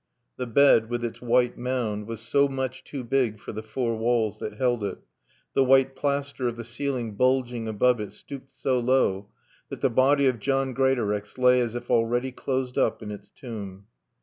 The bed, with its white mound, was so much too big for the four walls that held it, the white plaster of the ceiling bulging above it stooped so low, that the body of John Greatorex lay as if already closed up in its tomb.